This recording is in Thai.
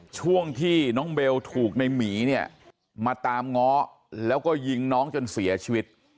ช่วงที่น้องเบลถูกในหมีเนี่ยมาตามง้อแล้วก็ยิงน้องจนเสียชีวิต